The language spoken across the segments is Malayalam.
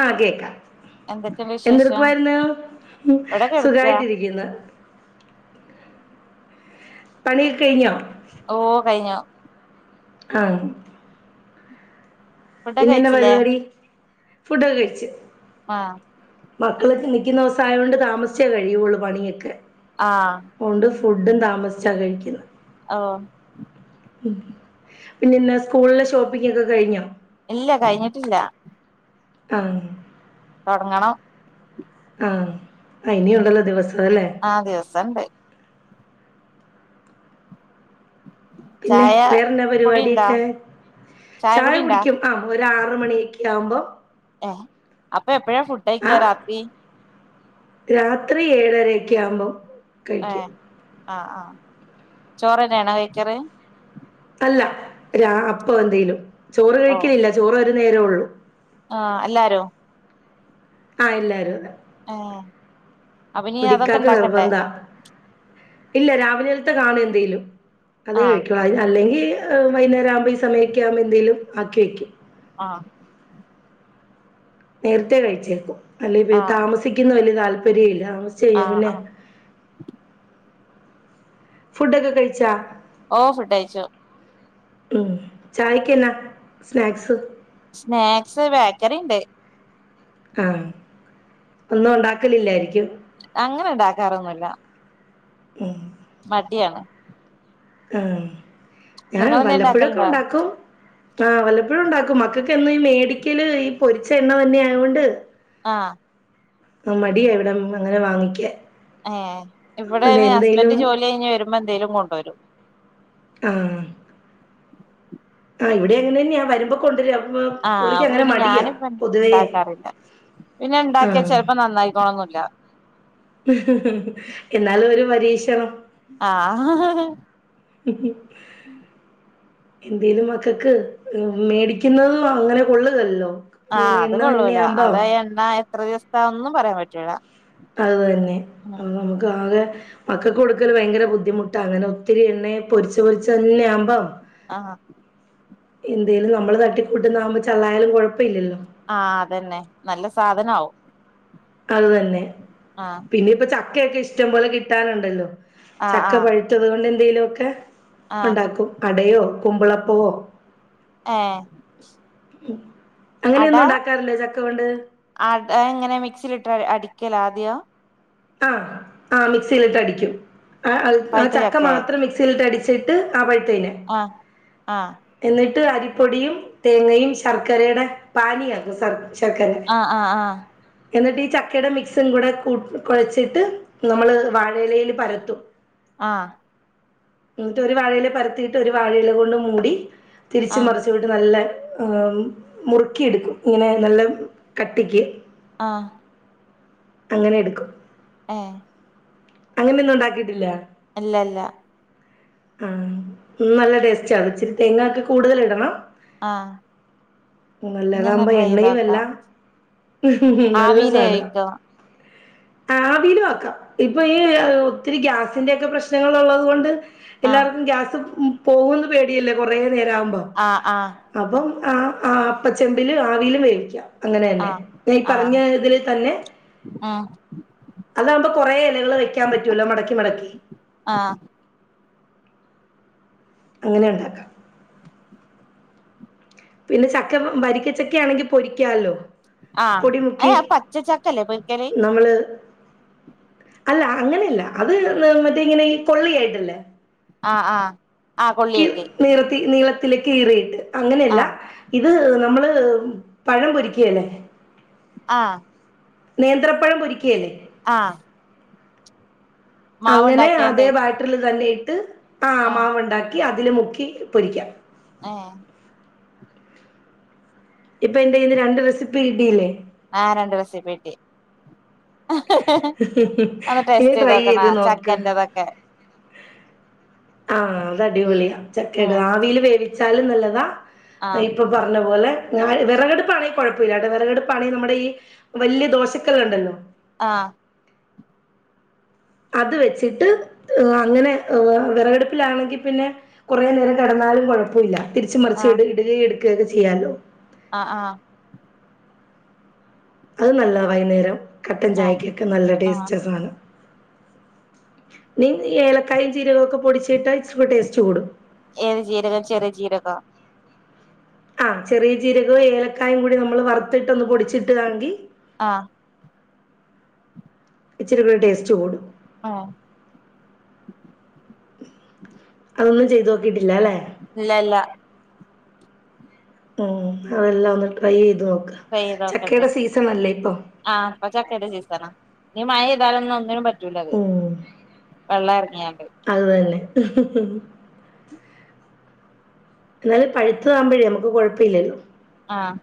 ആ കേക്കാം എന്തൊക്കെയുണ്ട് വിശേഷം എന്തെടുക്കുുവായിരുന്നു ഇവിടെ കെടക്കാ സുഖായിട്ടിരിക്ക് ന്ന് പണിക്കെ കഴിഞ്ഞോ ഓ കഴിഞ്ഞോ ഉം ഫുഡൊക്കെ ഇല്യല്ല കഴിച്ചില്ലേ പരിപാടി ഫുഡൊക്കെ കഴിച്ച് ആഹ് മക്കളൊക്കെ നിക്ക്ന്ന വെസം ആയത് കൊണ്ട് താമസിച്ചേ കഴിയൂള്ളൂ പണിയൊക്കെ ആഹ് അതുകൊണ്ട് ഫുഡും താമസിച്ചാ കഴിക്കുന്നു ഓ ഉ പിന്നെന്നാ സ്കൂളിലെ ഷോപ്പിംഗ ഒക്കെ കഴിഞ്ഞോ? ഇല്ല കഴിഞ്ഞിട്ടില്ല ആഹ തൊടങ്ങണം ആഹ ഇനിയും ഇണ്ടല്ലോ ദിവസ ആഹ് ദിവസണ്ട് പിന്നെ ചായ വേറെന്ത കുടി പരിപാടി ഇണ്ടാ ഒക്കെ ചായ കുടി ഇണ്ടാ കുടിക്കും ആ ഒ ആറ മണിയൊക്കെ ആവുമ്പോ ഏഹ് അപ്പൊ എപ്പഴാ ഫുഡ് ആഹ കഴിക്കാ രാത്രി രാത്രി ഏഴര ഒക്കെ ആവുമ്പോം കഴിക്കാം ആഹ്ആഹ് ചോറ്ന്നെ ആണോ കൈ കാറ് അല്ല രാ അപ്പൊ എന്തെലും ചോറ് കഴിക്കില്ല ചോറ് നേരേ ഉള്ളൂ ആ അല്ലാരോ ആഹ് എല്ലാരും ഏഹ് അപ്പൊ ഇനി അതൊക്കെ മുടിക്കാക്ക് ഇണ്ടാക്കണ്ടേ നിർബന്ധ ഇല്ല രാവിലെ ത്തെ കാണ എന്തേലും അതേ ആഹ് കഴിക്കുള്ളു അത അല്ലെങ്കിൽ വൈന്നേരം ആവുമ്പം ഈ സമയമക്കകുമ്പ എന്തേലും ആക്കി എക്കും ആ നേരത്തെേ കഴിച്ചേക്കും അല്ലെ ആഹ് താമസിക്കുന്ന വലിയ താൽപ പര്യല്യ ചെയ്യ ആഹ് പിന്നെ ആഹ് ഫുഡൊക്കെ കഴിച്ചാ ഓ ഫുഡയ്ച്ചു ചായക്ക് എന്നാ സ്നാക്സ്? സ്നാക്സ് ബേക്കറി ഇണ്ട് ആഹ ഒന്നും ഉണ്ടാക്കലില്ലായിരിക്കും അങ്ങനെ ഉണ്ടാക്കാറൊന്നും ഇല്ല ഉം [unintelligible] മടിയാണ് ആഹ ഞാൻ നിങ്ങളെന്തേ വല്ലപ്പുഴൊക്കെ ഇണ്ടാക്കലുണ്ടോ ഉണ്ടാക്കും ആഹ് വല്ലപ്പോഴും ഇണ്ടാക്കും മക്കൾക്ക് എന്നുംഈ മേടിക്കല് ഈ പൊരിച്ച എണ്ണ തന്നെയ ആയൊണ്ട് ആഹ ആ മടിയാ ഇവിടെ അങ്ങനെ വാങ്ങിക്കാൻ ഏ ഇവിടെ അതുകൊണ്ട് എന്തേലും ഹസ്ബന്റ് ജോലി കഴിഞ്ഞ് വരുമ്പോ എന്തേലും കൊണ്ടോരും ആഹ് ആ ഇവിടെ അങ്ങനെന്നെയാ വരു കൊണ്ട് രു അപ്പം ആഹ് പുള്ളിക്ക് അപ്പൊ അങ്ങനെ പിന്നെ മടിയാ ഞാനിപ്പ പൊതുവെആ ഇണ്ടാക്കാറില്ല പിന്നെ ഇണ്ടാക്കിയ ചെലപ്പോ നന്നായിക്കോണൊന്നുല്ല എന്നാലും ഒരു പരീഷണം ആഹ് എന്തേലും മക്കൾക്ക് മേടിക്കുന്നതും അങ്ങനെ കൊള്ളുകല്ലോ ആഹ് അത് കൊള്ളൂല അത എണ്ണ ത്ര ദിവസാന്നും പറയാൻ പറ്റൂല്ല അത് തന്നെ എ നമുക്ക് ആകെ മക്കക്ക് കൊടുക്കല് ഭയങ്കര ബുദ്ധിമുട്ടാ അങ്ങനെ ഒത്തിരി എണ്ണയെ പൊരിച്ച് പൊരിച്ച് തന്നെ ആവുമ്പം ആഹ് എന്തേലും നമ്മള് തട്ടിക്കൂട്ടുന്നതാകുമ്പോ ചള്ളായാലും കുഴപ്പ ആഹ് അതെ ന്നെ നല്ല സാധന ആവും അത് തന്നെ ആഹ് പിന്നെ പചക് ക്കേക്ക് ഇഷ്ടം പോലെ കിട്ടാന്ണ്ടല്ലോ ആഹ് ചക്ക ആഹ് പഴുത്തത് കൊണ്ട് എന്തെലുക്കെ ആഹ് ഉണ്ടാക്കും അടയോ കക്കുമ്പളപ്പുവൊ ഏ അങ്ങനെയൊന്നും ഉണ്ടാക്കാറില്ലേ ചക്ക കൊണ്ട് ട്ടെ അടിക്കലാദ്യ ആ ആ മിക്സിയിലിട്ട് അടിക്കും ആ ആ പഴുത്ത ചക്ക ചക്കേ മാത്രം മിക്സിലിട്ട് അടി ച്ചി ട്ട് അവൈ ആഹ് ആഹ് ട്ട് അരിപ്പൊടിയും തേങ്ങയും ശർക്കരയുടെ പാനീയാക്കും സർ ആ ആ ആ എന്നിട്ട് ഈ ചക്കയുടെ മിക്സും കൂടെ കൂട്ട കുഴച്ചിട്ട് നമ്മള് വാഴയിലയില് പരത്തും ആഹ് ന്നിട്ട് ഒരു വാഴയില് പരത്തിയിട്ട് ഒരു വാഴൽ കൊണ്ട് മൂടി തിരിച്ച് ആഹ് മറച്ചു വീട്ട് നല്ല ആ മുറുക്കി എടുക്കും ഇങ്ങനെ നല്ല കട്ടിക്ക് ആഹ അങ്ങനെ എടുക്കും ആഹ അങ്ങനെയൊന്നും ഉണ്ടാക്കിട്ടില്ല ഇല്ലല്ല ആ നല്ല ടേസ്റ്റ് ആ ഇച്ചിരി തേങ്ങ ഒക്കെ കൂടുതൽ ഇടണം ആഹ് ഇനി ഒന്ന് നല്ലതകുമ്പോ ട്രൈ ചെയ്ത് എണ്ണയും അല്ല നോക്കാം നല്ല ആവിയില് സാധനം വേവിക്കോ ആ വലു ആക്കാം ഇപ്പൊ ഈ ഒത്തിരി ഗ്യാസിന്റെൊക്കെ പ്രശ്നങ്ങൾ ഉള്ളത് കൊണ്ട് ആഹ് എല്ലാവർക്കും ഗ്യാസ് പോകന്ന് പേടിയല്ലേ കുറേ നേരം ആഹ് ആഹ് അപ്പം ആ ആ അപ്പച്ചെമ്പില് ആവിൽ മേവിക്കാം അങ്ങനെ തന്നെ ആഹ് ഞാൻ ഈ ആഹ് പറഞ്ഞ ഇതിൽ തന്നെ ഉം അതാവുമ്പ കൊറെ ഇലകള് വെക്കാൻ പറ്റൂല്ലോ മടക്കി മടക്കി ആഹ് അങ്ങനെ ഉണ്ടാക്ക പിന്നെ ചക്ക വരിക്കച്ചക്കെ ആണെങ്കിൽ പൊരിക്കാല്ലോ പൊടി മുക്കി ആഹ പച്ചച്ചക്ക്ല്ലേ പക്കറി നമ്മള് അല്ല അങ്ങനെയല്ല അത് മറ്റേ ഇങ്ങനെ ഈ കൊള്ളിയായിട്ടല്ലേ ആഹ ആഹ നിർത്തി നീള ഇത് കീറി അങ്ങനെയല്ല ആഹ് ഇത് നമ്മള് പഴം പൊരിക്കുകല്ലേ ആഹ നേന്ത്രപ്പഴം പൊരിക്ക കേഴ [unintelligible] ആഹ് അങ്ങനെ മാവുണ്ടാക്കിയാണ്ട് അതേ ബാറ്ററില് തന്നെ ഇ് ത്ത് [unintelligible] ആഹ് മാവ ഉണ്ടാക്കി അതില് മുക്കി പൊരിക്കാം ഏഹ് ഇപ്പൊ എന്ത ഇന്ന് രണ്ട് റെസിപ്പി ഇടില്ലേ ആ രണ്ട്ു ദിവസ പോട്ടി ഇനി ടേസ്റ്റ് ചെയ്ത് ട്രൈ നോക്കണം ചെയ്തു നോക്ക് ചക്കന്റെതൊക്കെ ആഹ അത് അടിപൊളിയ ഉം ചക്കക്ക ആ വീല് വേവ വേവിച്ചാലും നല്ലതാ ആഹ് ഇപ്പൊ പറഞ്ഞ പോലെ ഞാൻ വെറകടുപ്പാണെ കൊഴപ്പില്ലാട്ടോ വെറകടുപ്പാണെ നമ്മടെ ഈ വല്ല്യദോശക്കല്ല് ഉണ്ടല്ലോ ആഹ് അത് വെച്ചിട്ട് അങ്ങനെ വ് വെറകടുപ്പിലാണെങ്കിപ്പിന്നെ കൊറേ നേരം കെടന്നാലും കൊഴപ്പുല്ല തിരിച്ചുംമറിച്ചും ആഹ് ഇട്ക് ഇട് [unintelligible] ഇട്ക്കെരുത് ചെയ്യാലോ ആഹ് ആഹ് അത് നല്ലതാ വൈയുന്നേരം കട്ടൻ ആഹ് ചായക്ക്ക്കെ നല്ല ആഹ് ടേസ്റ്റാസാനം നീ നി ഏലക്കായും ജീരകോക്കെ പൊടിച്ചിട്ടാ ഇച്ച്രൂ ടേസ്റ്റ് കൂടും ഏത് ജീരകം ചെറിയ ജീരകൊ ആഹ് ചെറീയ ജീരകവും ഏലക്കായൊകൂടി നമ്മള് വറുത്തിട്ട് ഒന്ന് പൊടിച്ചിട്ട്താണെങ്കി ആഹ് ഇച്ച്ര്കൂടേസ്റ്റ് കൂടും ആഹ് അതൊന്നും ചെയ്ത് നോക്കീട്ടി ഇല്ലാല്ലാ ഉം അതെല്ലാം ഒന്ന് ട്രൈ ചെയ്ത് നോക് [unintelligible] ആ പ്പചക്കേടെ സീസണാ നി മയയ്താലോന്നുന്നിനും പ റ്റൂല്ലത് ഉം, വെള്ളം എറങ്ങിയാ ന്നാല് പഴുത്തതാമ്പോഴേ മ്മുക്ക് കൊഴപ്പില്ലല്ലോ ആഹ്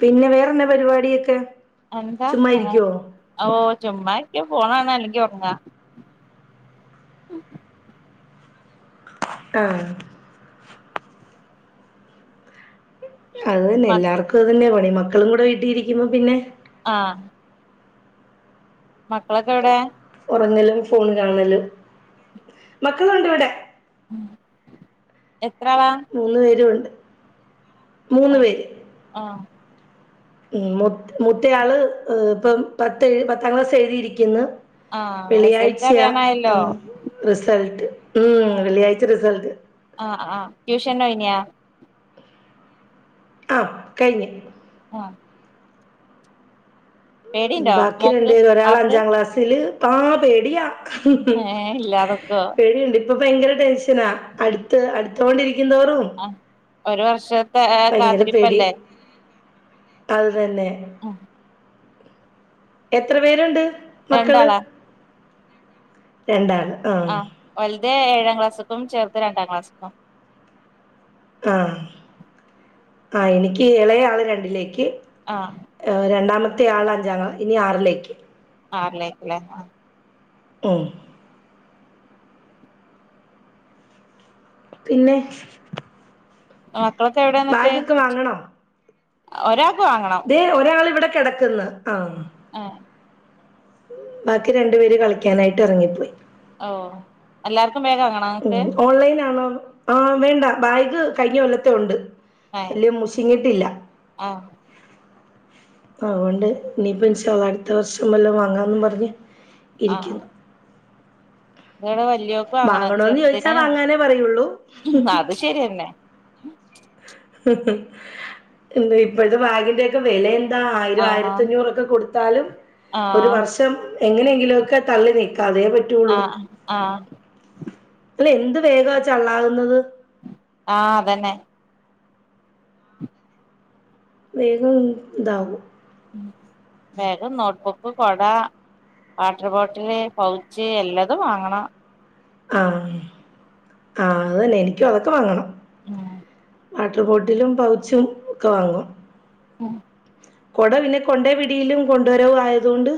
പിന്നെ വേറെന്നാ പരിപാടിയൊക്കെ എന്താ ചുമ്മാ ഹ്ആ ഇരിക്കുവോ ഓ ചുമ്മാരിക്കും ഫോണാണല്ലെങ്കി ഒറ ആ ഹ് അത് തന്നെ മ എല്ലാർക്കുഅത് തന്നെയാ പണി മക്കളും കൂടെ വീട്ടി ഇരിക്കുമ്പം പിന്നെ ആഹ് മക്കളൊക്കെ എവിടേ ഫോണ്കാണല് മക്കളൊണ്ട് ഇവിടെ എത്ര ആളാ മൂന്ന് പേരും ഉണ്ട്. മൂന്ന് ഓ പേര് ആ ഉം മൂത് മൂത്തയാള് ഇ ഇപ്പം പത്ത് പത്താം ക്ലാസ് എഴുതിയിരിക്കുന്നു ആഹ് റിസൾട്ട് വെള്ളിയാഴ്ചയാ അറിയാനായല്ലോ റിസൾട്ട് ഉം വെള്ളിയാഴ്ച റിസൾട്ട് ആഹ് ആഹ് ട്യൂഷൻ ഉണ്ടായിനിയോ ആ കഴിഞ്ഞ് ആഹ് പേടിണ്ടോ ബാക്കി മോക്ക് രണ്ടപേര് ഒരാൾ ആക്ക് അഞ്ചാം ക്ലാസ്സില് ആ പേടിയ ഏഹ് ഇല്ലാതൊക്കോ പേടിയുണ്ട് ഇപ്പൊ ഭയങ്കര ടെൻഷനാ അടുത്ത് അടുത്തൊണ്ടിരിക്ക തോറും ആഹ് ഒരു വർഷത്തെ ഭയങ്കര പേടിയ കാത്തിരിപ്പല്ലേ അത് തന്നെ എത്ര പേരുണ്ട് രണ്ടാളാ രണ്ടാണ് ആഹ വ ത് ഏഴാം ക്ലാസ്സക്കും ചേർത് രണ്ടാം ക്ലാസ്സക്കും ആഹ ആ എനിക്ക് ഇളയ ആള് രണ്ടിലേക്ക് ആഹ് രണ്ടാമത്തെ ആളാഞ്ചാക്ലാസ്സിലേക്ക് ഇനി ആറിലേക്ക് ആറിലേക്ക് ലെ ആ ഏ പിന്നെ ആഹ മളൊക്കെ എവിടെ വന്നിട്ട് ബാഗൊക്കെ ഒരാ അതെ ഒരാൾ ഇവിടെ കിടക്കുന്ന ആ ആഹ ബാക്കി രണ്ടു പേര് കളിക്കാനായിട്ട് ഇറങ്ങിപ്പോയി ഓ എല്ലാർക്കും ബാഗ് വാങ്ങണോ ഉം നിങ്ങക്ക് ഓൺലൈൻ ആണോ ആ വേണ്ട ബാഗ് കഴിഞ്ഞ കൊല്ലത്തെ ഉണ്ട് ഏ വല്യ മുശിഞ്ഞിട്ടില്ല ആ അതൊണ്ട് ഇനിപ്പ അടുത്ത വർഷം വല്ല വാങ്ങാന്നന്ന് പറഞ്ഞ് ആ ഇരിക്കുന്നു [unintelligible] വാങ്ങണം വാങ്ങണന്ന് ചോയിച്ചാ ചെറുതിന് വാങ്ങാനേ പറയുള്ളൂ അത് ശരിയന്നെ ഇപ്പഴത്തെ ബാഗിന്റെക്കെ വില എന്താ ആയിരം ആ ആയിരത്തിഞ്ഞൂറൊക്കെ കൊടുത്താലും ആ ഒരു വർഷം എങ്ങനെയെങ്കിലു ഒക്കെ തള്ളി നീക്കും കദേ ആ പറ്റുള്ളൂ ആ അല്ല എന്ത് വേഗം വെച്ചാ ഉള്ളാകുന്നത് ആഹ അതന്നെ വേഗം ഇതാകും ബാഗ് നോട്ട്ബുക്ക് കൊട വാട്ടർ ബോട്ടില് പൗച്ച് എല്ലാതും വാങ്ങണം ആഹ ആഹ അത്തന്നെ എനിക്കും അതൊക്കെ വാങ്ങണം ആഹ വാട്ടർ ബോട്ടിലും പൗച്ചും ഒക്കെ വാങ്ങും ആഹ കൊട പിന്നെ കൊണ്ട വിടിയിലും കൊണ്ടുവരവും ആയതു കൊണ്ട്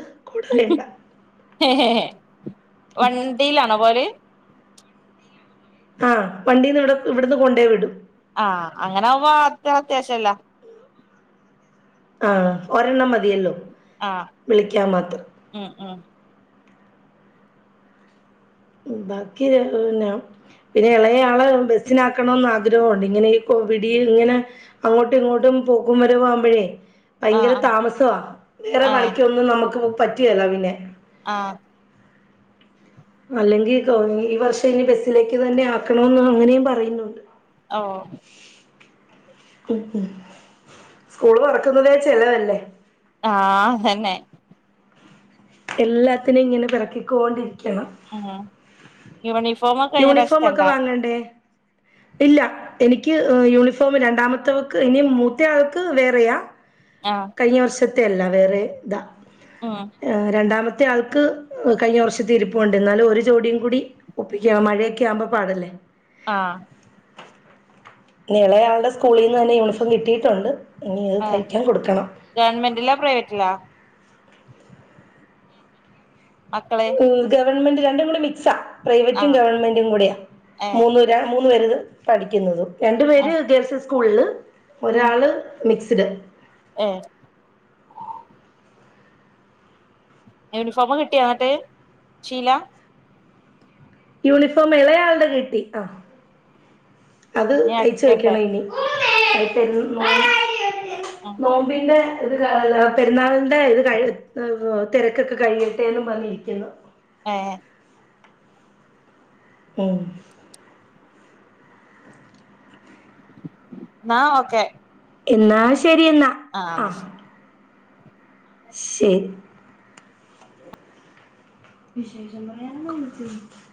വണ്ടിയിലാണോ പോകല് ആഹ് വണ്ടീന്ന് ഇവിടെ ഇവിടുന്ന് കൊണ്ടേ വിടും ആഹ് അങ്ങനെ ആകുമ്പോ അത്ര അത്യാവശ്യല്ല ആഹ് ഒരെണ്ണം മതിയല്ലോ ആഹ് വിളിക്കാൻ മാത്രം. ഉം ഉം ബാക്കി പിന്ന പിന്നെ ഇളയയാളെ ബസ്സിനാക്കണന്ന് ആഗ്രഹമുണ്ട് ഇങ്ങനെ ഈ വിടിൽ ഇങ്ങനെ അങ്ങോട്ടും ഇങ്ങോട്ടും പോക്കും വരവും ആകുമ്പോഴേ ആ ഭയങ്കര താമസവാ വേറെ ആ ഏ പണിക്കൊന്നും നമുക്ക് പറ്റിയേല പിന്നെ ആഹ് അല്ലെങ്കി ഈ വർഷം ഇനി ബസിലേക്ക് തന്നെ ആക്കണന്ന് അങ്ങനെയും പറയുന്നുണ്ട് ഓഹ് ഉം ഉം സ്കൂള് തുറക്കുന്നതേ ചെലവല്ലേ ആഹ് ഹന്നെ എല്ലാത്തിനും ഇങ്ങനെ പിറക്കിക്കോണ്ടി ക്കണം ഉം യൂണിഫോമൊക്കെ കഴിഞ്ഞ യൂണിഫോം പ്രാവശ്യത്തെ ഒക്കെ ണ്ടാ വാങ്ങണ്ടേ ഇല്ല എനിക്ക് യൂണിഫോം രണ്ടാമത്തെവക്ക് ഇനി മൂത്ത ആൾക്ക് വേറെയാ ആഹ് കഴിഞ്ഞ വർഷം ത്തെ അല്ല വേറെതാ ആഹ് രണ്ടാമത്തെ ആൾക്ക് കഴിഞ്ഞ വർഷത്തെ ഇരിപ്പുണ്ട് എന്നാലും ഒരു ജോടിയും കൂടി ഒപ്പിക്കണം മഴയൊക്കെ ആവുമ്പോ പാടല്ലേ ആഹ് ള്ളയാളുടെ സ്കൂളിൽ നിന്ന് തന്നെ യൂണിഫോം കിട്ടിയിട്ടുണ്ട് ഇനി അത് ആഹ് തയ്ക്കാൻ കൊടുക്കണം ഗവണ്മെന്റില്ലാ പ്രൈവറ്റിലാ മക്കളെ ഗവൺമെന്റിലാ രണ്ടും കൂടി മിക്സാ പ്രൈവറ്റും ഗവൺമെൻറ്റും കൂടിയാ ഏഹ് മൂന്ന് മൂന്ന് വരത് പഠിക്കുന്നതും രണ്ടു പേര് ആഹ് ഗേൾസ് സ്കൂൾ ഉം ഒരാള് മിക്സ്ഡ് ഏഹ് യൂണിഫോമ്കിട്ടിയൊന്ന്ട്ട് ഷീലാ യൂണിഫോം ഇളയാളുടെ കിട്ടി ആ അത് ഇനി തയ്ച്ച വയ്ക്കണ അടിക്കണ്ടേ ഇനി [unintelligible] ഉം നോബിന്റെ ഇത് പെരുന്നാളിന്റെ ഇത് ക തിരക്കൊക്കെ കഴിയട്ടെന്ന് പറഞ്ഞിരിക്കുന്നു ആഹ എഏ ന ഓക്കെ എന്നാ ശരി എന്ന എന്നാൽ ആഹ് ന്നാ ശരി ആ ശ് [unintelligible] വിശേഷം പറയാാനളിച്ച